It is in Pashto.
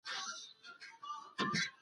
تاسو ټول شاهدان اوسئ چې دا سړی نن ازاد شو.